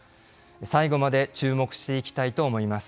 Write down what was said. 最後まで注目していきたいと思います。